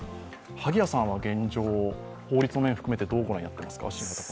萩谷さんは法律の面含めて、どう御覧になっていますか。